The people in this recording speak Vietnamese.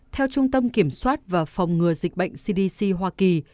theo trung tâm kiểm soát và phòng ngừa dịch bệnh cdc hoa kỳ